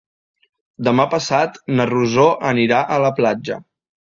Demà passat na Rosó anirà a la platja.